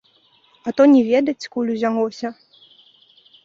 А то не ведаць, скуль узялося?